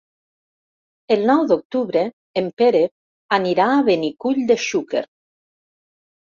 El nou d'octubre en Pere anirà a Benicull de Xúquer.